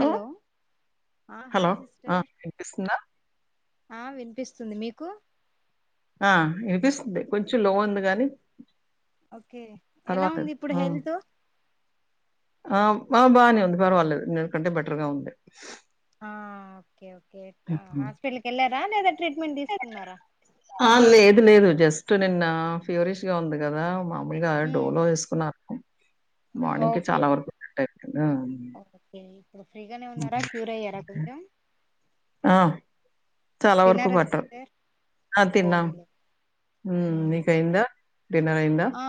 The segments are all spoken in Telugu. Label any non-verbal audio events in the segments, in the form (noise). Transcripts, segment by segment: హలో ఆ హలో! హాయ్స్ ఆ! సిస్టర్ వినిపిస్తుందా? ఆ వినిపిస్ స్తుంది మీకు ఆ వినిపిస్తుంది కొంచెం లో ఉంది గానీ ఓకే ఎలా పర్వాలేదు. ఉంది ఇప్పుడు ఆ! హెల్త్ ఆ బాగానే ఉంది పర్వాలేదు నేకంటే బెటర్ గా ఉంది ఆ ఓకే కే హుహు. హాస్పిటల్కి ఎల్ల రా లేదంటే ఆ లేదు లేదు జస్ స్ట్ నిన్న ఫ్యూరిష్ గా ఉంది కదా మా లుగా ఉమ్ డోలో వేసుకున్నారు మార్నింగ్ కి ఓకే చాలా వరకు సేట్ అఇంది హు ఓకే ఇప్పుడు ఫ్రీగానే ఉన్నారా క్యూర్ అయ్యారా కొంచెం ఆ! చాలా వరకు తిన్నారా పట్టవు సిస్టర్ ఆ తిన్నాం పోనీలే ఉ ఉమ్ నీకైందా డిన్నర్ అయ్యిందా ఆ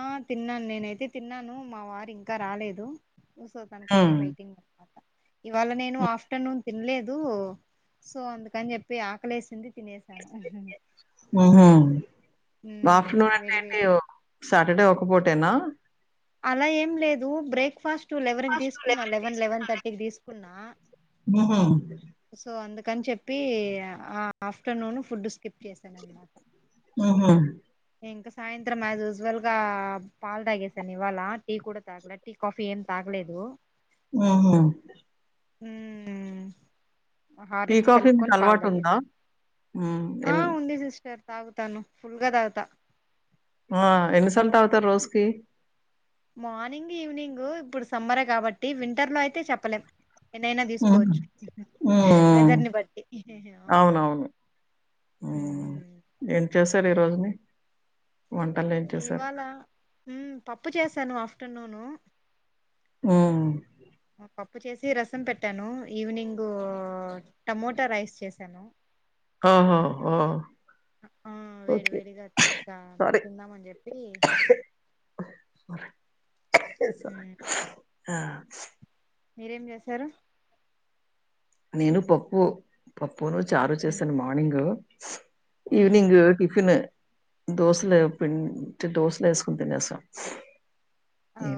ఆ తిన్నాను నేనయితే తిన్నాను మా వారు ఇంకా రాలేదు సో తన కోసం హ్మ్. వెయిటింగ్ అన్నమాట ఇవాళ నేను ఆఫ్టర్నూన్ తినలేదు సో అందుకని చెప్పి ఆకలేసింది తినేసాను ఉమ్ ఆఫ్టర్నూన్ అంటే వేడి వేడి ఏంటి సాటర్డే ఒ పుటేనా అలా ఏం లేదు బ్రేక్ ఫాస్ట్ లెవెన్ కు తీసుకున్న లెవెన్ లెవెన్ థర్టీకి తీస్ కున్నా ఒహొ సో అందుకని చెప్పి ఆ ఆఫ్టర్నూన్ ఫుడ్ స్కిప్ చేసానన్నమాట ఒహొ ఇంకా సాయంత్రం అ యూజువల్ గా పాలు తాగేసాను ఇవాళ టీ కూడా తాగలేదు టీ కాఫీ ఏం తాగలేదు ఒహొ ఉ టీ హార్లిక్స్ కాఫీ మీకు కలుపుకని పాలు అలవాటు ఉందా తాగేసా హ్మ్ ఆ ఎన్ ఉంది సస్టర్ తాగుతాను ఫుల్గా తాగుత ఆ ఎన్నిసార్లు తాగుతారు రోజుకి మార్నింగ్ ఈవినింగ్ ఇప్పుడు సమ్మర కాబట్టి వింటర్ లో అయితే చెప్పలేం ఎన్నైనా హ్మ్. తీసుకోవచ్చు హ్మ్. వెదర్ని బట్టి అవునవును. సర రోజుని వంటలేం చేశారు? ఇవాళ ఉ పప్ పప్పు చేశాను ఆఫ్టర్నూను ఉ పప్పు చేసి రసం పెట్టాను ఈవినింగు టమోటా రైస్ చేసాను ఆహా ఒ ఆ వేడి ఓకే వేడిగా ఆ, సరే తిందామని చెప్పి సరే స మ్మ్ ఆ మీరేం చేసారు నేను పప్పు ప పూను చారు మ్మ్ చేసిన మార్నింగ్ మ్మ్ ఈవనింగ్ టిఫిన్ దోసలు పిండి దోసలేసుకుని తినేసాం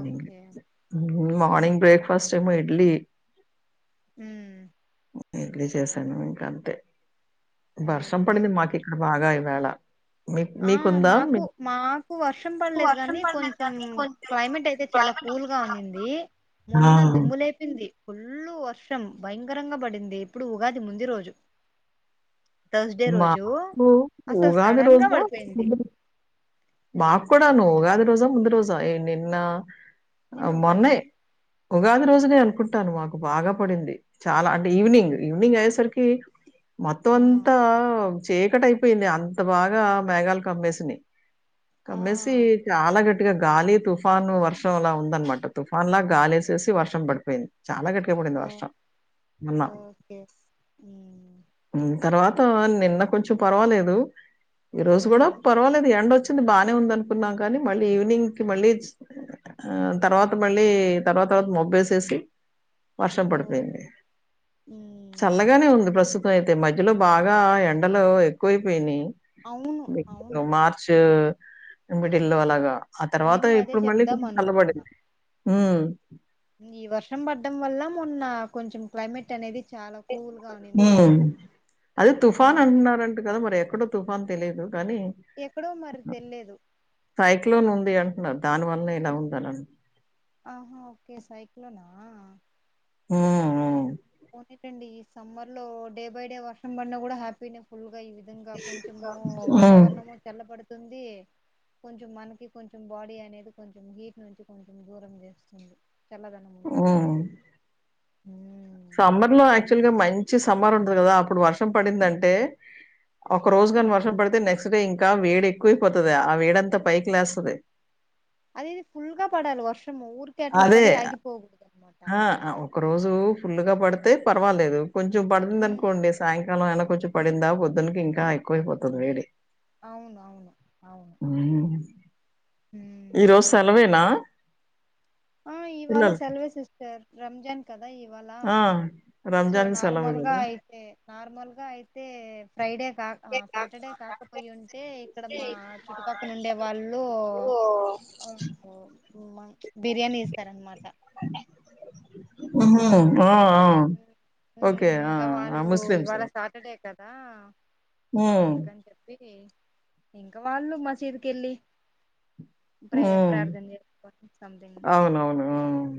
ఓకే మ్మ్ మార్నింగ్ బ్రేక్ఫాస్ట్ మ ఇడ్లీ ఉ ఇడ్లీ చేశాను ఇంకా అంతే వర్షం ఓకే పడింది మాకి ఇక్కడ బాగా వేళ ఆ మాకు మాకు వర్షం పడలేదు గానీ కొంచెం క్లైమేట్ అయితే చాలా కూల్ గా ఉన్నింది ఆ! మొన్న దుమ్ములేపింది ఫుల్లు వర్షం భయంకరంగా పడింది ఇప్పుడు ఉగాది ముందు రోజు థర్స్డే మా రోజు ఉగాది రోజు పెంది మాకు కూడాను ఉగాది రోజా ముందు రోజా నిన్న నిను ఆహ్, ఉగాది మొన్నే ఉగాది రోజునే అనుకుంటాను మాకు బాగా పడింది చాలా అంటే ఓ ఈవినింగ్ ఈవినింగ్ అయ్యే సరికి ఏ ఆ మొత్తమంతా చీకటయిపోయింది అంత బాగా మేఘాలు కమ్మేసినయి ఆ కమ్మేసి చాలా గట్టి ట్టిగా గాలి తుఫాను వర్షంలా ఉందనమాట తుఫాను లా గాలేసేసి వర్షం పడిపోయింది చాలా గట్టిగా పడింది ఓ వర్షం మన్న ఓకే మ్మ్ తర్వాత నిన్న కొంచం పర్వాలేదు ఈ రోజు కూడా మ్మ్ పర్వాలేదు ఎండ వచ్చ బాగానే ఉంది అనుకున్నా కానీ మళ్ళీ ఈవినింగ్ కి మళ్ళీ తర్వాత మళ్ళీ తర్వాత తర్వాత మొబ్బేసేసి వర్షం ఓ పడిపోయింది మ్మ్ చల్లగానే ఉంది ప్రస్తుతి స అయితే మధ్యలో బాగా ఎండలో ఎక్కువైపోయినాయి అవును అవును ఉ మిడిల్లో అలాగా ఆ తర్వాత నేను అదే ఇప్పుడు మళ్ళీ చెప్దాం కొంచం అనుకున్నా చల్లబడింది ఉ ఈ వర్షం పడ్డం వల్ల మొన్న కొంచెం క్లైమేట్ అనేది చాలా కూల్ గా ఉండింది ఊ అనమాట అదే తుఫాన్ మ్మ్ అంటున్నారంట కదా మరి ఎప్పుడో తుఫాన్ తెలియదు కానీ ఎక్కడో మరి తెలిలేదు సైక్లోన్ ఉంది అంటే దాని వల్ల ఇలా ఉండార ఆహా ఓకే సైక్లోనా ఉమ్ ఉ ఏటండి ఈ సమ్మర్ లో డే బై డె వర్షం పడిన కూడా హ్యాపీ ఫుల్ ఇక ఈ విధంగా కొంచము హ్మ్. వాతావరణము చల్లబడు తుంది ద కొంచెం మనకి కొంచెం బాడీ అనేది కొంచెం హీట్ నుంచి కొంచెం దూరం చేస్తుంది చల్లదనం ఉంటుది హ్మ్ ఉవ్ సాంబర్ లో యాక్చువల్ గా మంచి సమ్మర్ ఉంటది కదా అప్పుడు వర్షం పడిందంటే ఒక రోజుగాని వర్షం పడితే నెక్స్ట్ చేస్తరు ఇంకా వేడి ఎక్కువైపోతది ఆ వేడంతా పైకి లేస్తది అది ఇది ఫుల్గా పడాలి వర్షం ఉంటము ఊర్కే అట్ల అదే పడి ఆగిపోకడదదు ఆ అ ఒక రోజు ఫుల్గ పడ తే పర్వాలేదు కొంచెం పడుతుందనుకోండి సాయం కాలం అల కొంచెం పడిందా పొద్దునికింకా ఎక్కువైపోతుంది వేడి అవును అవును ఆవును ఈ రోజ్ సెలవేనా ఆ ఇవాళ పిల్లలకి? సెల్వే సిస్ సర్ రంజాన్ కద ఇవాళా ఆ! సో రంజాన్‌కి సెలవు నార్మల్గా గదా! అయితే నార్మల్ గా అయితే ఫ్రైడే కాక సాటర్డే కాకపోయి ఉంటే ఇక్కడ మా చుట్టుపక్కల ఉండే వాళ్ళు అండ్ మ బిర్యనీ ఇస్తారన్నమాట ఉహు ఆయ్ ఉమ్ ఇంక ఆ! వాళ్ళు ముస్లిమ్స్. ఇవాళ సాటర్డే కదా సో హ్మ్. అందుకని చెప్పి హుమ్ ఇంక వాళ్ళు మసీద్కి వెళ్ళి ప్రేర్ హ్మ్. ప్రార్థన చేసుకోని సంథింగ్ అవునవును.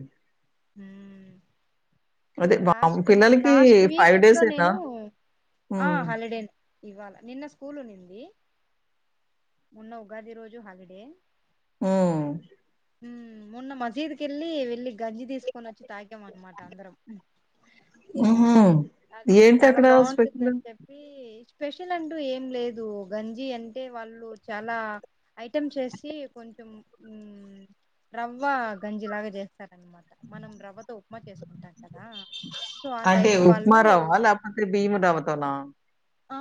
(unintelligible) హూ అదే వామ్మో! లాస్ట్ మ పిల్లలకి లాస్ట్ వీక్ ఎప్పుడో డేసేనా? నేను ఆ హ్మ్. హాలిడే నె ఇవాళ నిన్న స్కూల్ ఉన్నింది మొన్న ఉగాది రోజు హలిడే హుమ్ హుమ్ మొన్న మసీదు కెళ్ళి గంజి తీసుకొని వచ్చి తాగాం అన్నమాట అందరం ఓహో అది చాలా బాగుంటుందని చెప్పి స్పెషల్ అంటూ ఏం లేదు గంజి అంటే వాళ్ళు చాలా ఐటమ్స్ ఏసి కొంచెం హుమ్ రవ్వ గంజి లాగా చేస్తారనమాట మనం రవ్వతో ఉప్మా చేసుకుంటాం సో ఆ టైప్ వాళ్ళు ఉప్మరవ్వ లేకుంటే బియ్యము దానులతోన ఆ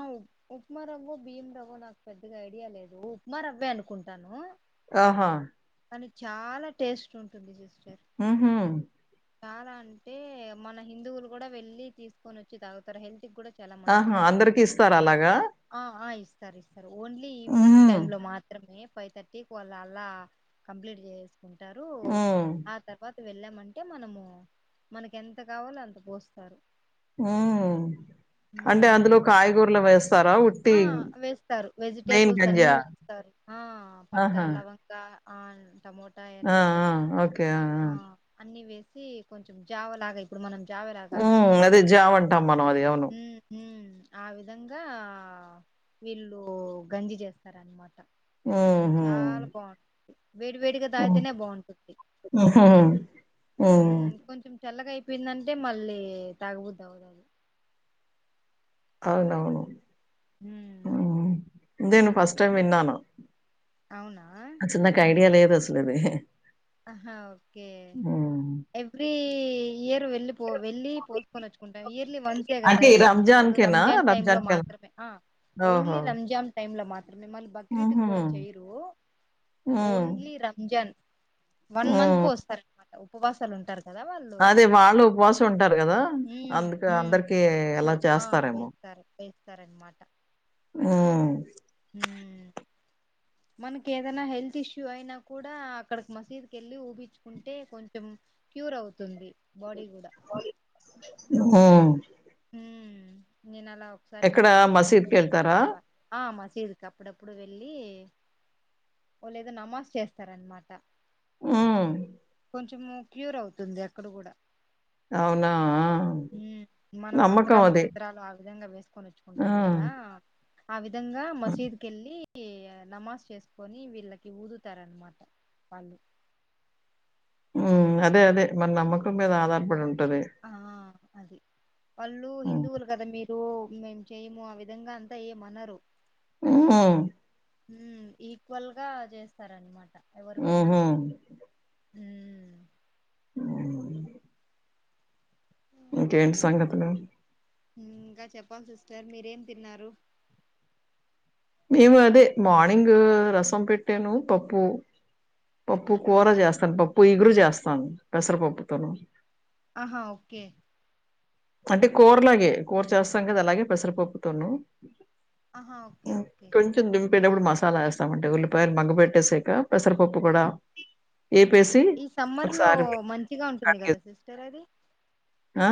ఉప్మా రవ్వో బియ్యం రవ్వో నాకు పెద్దగా ఐడియా లేదు ఉప్మ రవ్వే అనుకుంటాను ఓహో కాని చాలా టేస్ట్ గా ఉంటుంది జ్యూస్ ఊహు చాలా అంటే మన్న హిందువులు కూడ వెళ్ళి తీసుకొని వచ్చి తాగుతరు హెల్త్ కూడ చాలా ఆహా! మంచిది అంట అందరికి ఇస్తారా అలాగా? ఆ ఆ ఇ తరీస్ సార్ ఓన్లీ ఈవినింగ్ హ్మ్. టైమ్ లో మాత్రమే ఫైవ్ థర్టీకి వళ్ అలా కంప్లీట్ చే కుంటారు హ్మ్. ఆ తర్వాత వెళ్ళామంటే మనము మనకి ఎంత కావాలో అంత పోస్తారు హ్మ్ అంటే ఉమ్ అందులో కాయగూరలు వేస్తార ఆ వేస్తారు వెజిటేబుల్స్ అన్ని గంజా? వేస్తారు ఆ పట్ట ఆహా! లవంగ ఆవున్ టమోటా ఆ! ఎరగడ్డ ఆ! ఓకే. ఆ అన్ని వే సి కొంచెం జావ లాగ ఇప్పుడు మనం చావ హ్మ్. రాగాంచుకుంటాం అదే జావ అంటాం మనం అది. అవును. హ్మ్ హ్మ్ ఆ విధంగా వీళ్ళు గంజి చేస్తారనమాట కానీ హుహు. చాలా బగుంట వేడి వేడిగా హ్మ్. తాగితేనే బాగుంటుంది హుహు. హ్మ్. కొంచెం చల్లగా అయి చెప్పిందంటే మళ్ళీ తగుబద్దు అవుతుది అవున అవును ఉమ్, నేను ఫస్ట్ టైం విన్నాను అవునా ఆ చిన్నకు ఐడియా లేదు అసలుది ఆహా ఓకే ఎవీ ఏయరు వెళ్ళిపో వెళ్ళలి పోసుకొని వచ్చుకుంటాం ఇయర్లీ వన్సే కదా అంటే ఈ గంటి వాళ్ళు రంజాన్‌కేనా? రంజాన్ టైమ్ లో రంజాన్‌కేనా? మాత్రమే ఓన్లీ ఓహో! రంజాన్ టైమ్ లో మాత్రం మిమ్మల్ని బక్రీద్ హుహు. కూడా చేయరు హ్మ్. ఓన్లీ రంజాన్ వన్ మంత్ హ్మ్. పోస్తారనమాట ఉపవాసాలు ఉంటారు కదా వాళ్ళు అదే వాళ్ళు ఉపవాసం ఉంటారు గదా! అందుకు అందరికీ సో అలా ఆ చేస్తారేమో. వేస్తారు వేస్తారనమాట హ్మ్ మ్ మనకి ఏదైనా హెల్త్ ఇష్యూ అయినా కూడా అక్కడకి మసీద్ క వెళ్ళి ఊపించుకుంటే కొంచెం క్యూర్ అవుతుంది బాడీ కూడా హ్మ్ హ్మ్మ్ నేనక్ అలా ఒకసారి మా ఎక్కడ పాపకు మసీద్‌కెళ్తారా? మ సీదుకి అప్పుడప్పుడు వెళ్ళి ఓ లేదు నమాజ్ చేస్తారనమాట హ్మ్ కొంచెం క్యూర్ అవుతుంది అక్కడ కూడ అవునా మనం నమ్మకం మంత్రాలు అది. తంత్రాలు ఆ విధంగ వేసుకొని ఆ! వచ్చుకుంటాం కదా అవి విధంగా మసీద్ కెళ్ళి నమాజ్ చేసుకొని వీళ్ళకి ఊదుతారన్నమాట వాళ్ళు హ్మ్ అదే అదే మన నమ్మకం మీద ఆధారపడి ఉం ఆ అది వాళ్ల్ళు హ్మ్. హిందువుల గద మీ మేం చెయము ఆ విధంగ అంతా ఏం అనరు హ్మ్ హ్మ్ ఈక్వల్ గా చేస్తారనమాట ఊహు హ్మ్మ్ ఇంకేంటి సంగతులు ఇంగా చెప్పాలి సిస్టర్ మీరేం తిన్నారు మేము అదే మార్నింగ్ రసం పెట్టాను పప్పు పప్పు కూరా ఉమ్ చేస్తను పప్ పొయ్యిగురు చేస్తాను పెసరపప్పుతోను ఆహా ఓకే అంటే కూరలాగే కూర చేస్తాం కదా అలాగే పెసరపప్పుతోను ఆహా ఓకే ఓకే బెండు అప్పుడు మసాలా వేస్తామంటే ఉల్లిపాయలు మగ్గ పెట్టేసాక పెసరపప్పు కూడా వేపేసి ఈ సమ్మర్ లో ఒకసారి మంచిగా ఉంటుంది గదా కడిగేసి సిస్టర్ అది ఆ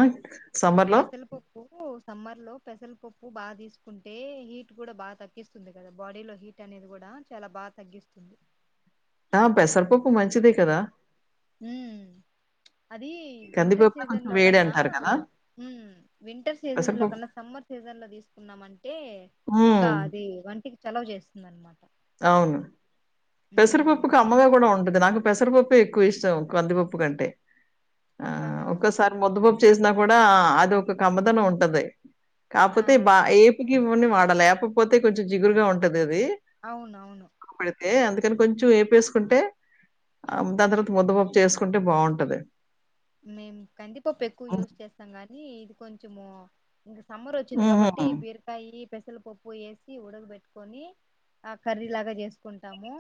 లో పెసల పప్పు ఉ సమ్మర్ లో పెసల్ పప్పు బాగా తీసుకుంటే హీట్ కూడా బాగా తగ్గిస్తుంది కదా బాడీలో హీట్ అనేది కూడా చాలా బాగా తగ్గిస్తుంది ఆ పెసర పప్పు మంచిదే కదా ఉ అది వింటర్ కందిపప్పు సీజన్ కొంచెం లో వేడి కన్నా అంటారు కదా ఉ వింటర్ సీజన్ లో పెసరపప్పు కన్నా సమ్మర్ సీజన్ లో తీసుకున్నామంటే ఇంకా ఉమ్, అది వంటికి చలవు జేస్ నాన్ మాట అవును పెసరు పప్పుకి అమ్మగా కూడా వండు నాకు పెసరపప్పు ఏ ఎక్కువ ఇష్టం కందిపప్పు కంటే ఆ ఆహాహా ఒక్కసారి మొద్దు పప్పు చేసినా కూడా అది ఒక కమ్మదనం ఉంటది ఆ కాపోతే బా ఏపి ఇ వొనే వాడాలి ఏపాకపోతే కొంచెం జిగురుగా ఉంటది అవును అవును ఏ అందుకు దీన్ కొంచెం ఏపేసుకుంటే దాని తర్వాత ముద్దపప్పు చేసుకుంటే బాగుంటది మేము కందిపప్పు ఎక్కువ యూస్ చేస్తాం గాని ఇది కొంచము సమ్మర్ వచ్చింది హుహు. కాబట్టి బీరకాయ్ పెసల్ పప్పు వేసి ఉడగ పెట్టుకొని ఆ కర్రీ లాగా చేసు కుంటాము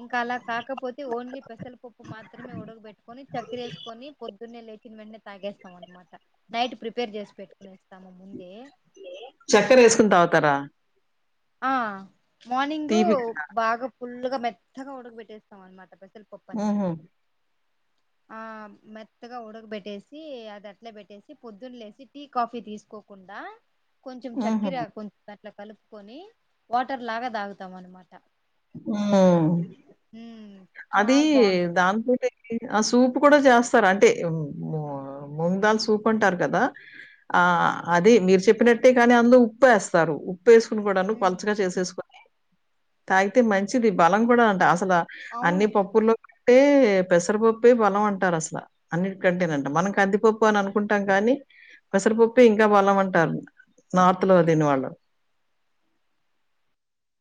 ఇంకా అలా కాకపోతే ఓన్లీ పెసల పప్పు మాత్రమే ఉడగ బెట్టుకొని చక్కరేసుకొని పోద్దునే లేచిన వెట్టనే తాగేస్తాం అనమాట నైట్ ప్రిపేర్ చేసి పెట్టుకునేస్తాము ముందే చక్కెర వేసుకుని తాగుతారా ఆ మార్నింగ్ తీపిగా. బాగ్ ఫుల్గా మెత్తగా ఉడగ పెట్టేస్తాం అనమాట పెస పప్పు అనేది హుహు. ఆ మెత్తగా ఉడకబెట్టేసి అది అట్లే పెట్టేసి పొద్దున్న లేసి టీ కాఫీ తీసుకోకుండా కొంచెం హుహు. చక్కర కొన్ త పలకలు కొని వాటర్ లాగా దాగుతాం అనమాట ఆ అది చాలా బాగుంటది దాంతోటేకి ఆ సూప్ ఉప్పు కూడా చేస్తారు అంటే ముందాలు సూపుంటారు కదా ఆ అది మీరు చెప్పినట్టే కానీ అందులో ఉప్పు వేస్తారు ఉప్పు వేసుకోకూడాను ఉమ్, పలచగా చేసేసుకోన్ తాగితే మంచిది బలం కూడా అంట అసల అన్ని అవును పప్పులో అంటే పెసరపప్పే బలం అంటారు అసలు అన్నిటికంటేనంట మనం కదిపప్పు అని అనుకుంటాం కానీ పెసరపప్పె ఇంకా బలం అంటారు నార్త్ లో తినే వాళ్ళు